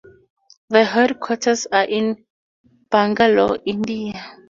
The headquarters are in Bangalore, India.